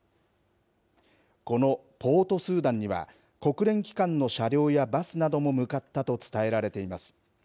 このポートスーダンには、国連機関の車両やバスなども向かったと伝えられています。